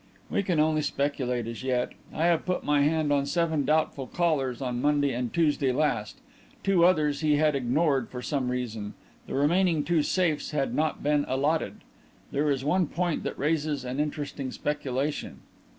"We can only speculate as yet. I have put my hand on seven doubtful callers on Monday and Tuesday last. Two others he had ignored for some reason; the remaining two safes had not been allotted. There is one point that raises an interesting speculation."